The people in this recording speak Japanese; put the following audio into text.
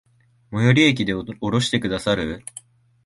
最寄駅で降ろしてくださる？